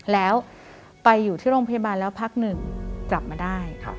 แล้วไปอยู่ที่โรงพยาบาลแล้วพักหนึ่งกลับมาได้